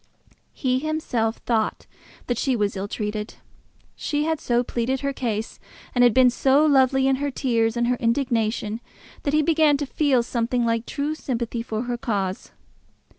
He himself thought that she was ill treated. She had so pleaded her case, and had been so lovely in her tears and her indignation, that he began to feel something like true sympathy for her cause.